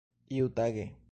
iutage